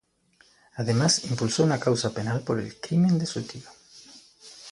Además impulsó una causa penal por el crimen de su tío.